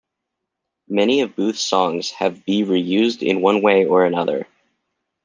Many of Boothes songs have be reused in one way or another.